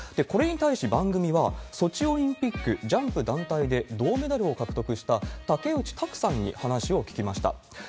これに対し、番組は、ソチオリンピックジャンプ団体で銅メダルを獲得した竹内択さんに話を聞きました。